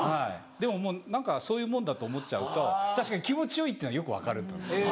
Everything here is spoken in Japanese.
でももう何かそういうもんだと思っちゃうと確かに気持ちよいっていうのはよく分かる。